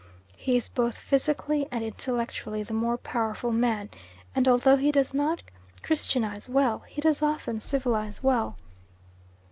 He is both physically and intellectually the more powerful man, and although he does not christianise well, he does often civilise well.